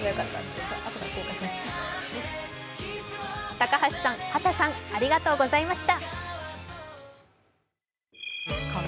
高橋さん、畑さんありがとうございました。